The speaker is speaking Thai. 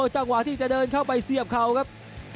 จังหวะที่จะเดินเข้าไปเสียบเข่าครับ